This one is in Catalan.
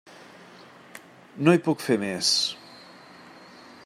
No hi puc fer més.